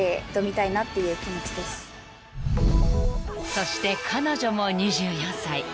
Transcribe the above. ［そして彼女も２４歳］